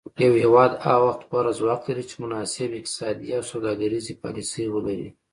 یو هیواد هغه وخت غوره ځواک لري چې مناسب اقتصادي او سوداګریزې پالیسي ولري